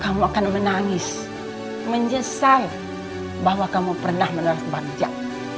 kamu akan menangis menyesal bahwa kamu pernah menerat banjak